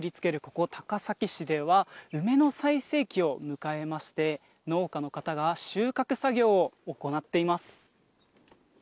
ここ高崎市では梅の最盛期を迎えまして農家の方が収穫作業を行っています。